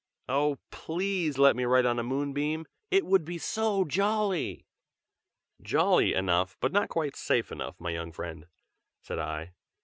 oh! please let me ride on a moonbeam! it would be so jolly!" "Jolly enough, but not quite safe enough, my young friend!" said I.